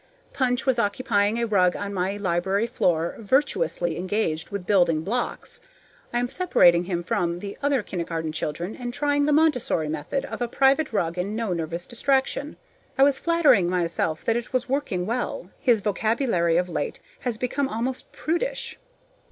Punch was occupying a rug on my library floor, virtuously engaged with building blocks. I am separating him from the other kindergarten children, and trying the Montessori method of a private rug and no nervous distraction. I was flattering myself that it was working well; his vocabulary of late has become almost prudish.